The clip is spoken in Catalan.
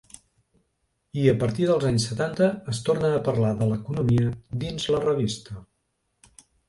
I a partir dels anys setanta es torna a parlar de l'economia dins la revista.